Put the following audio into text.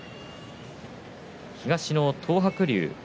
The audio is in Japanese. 東の東白龍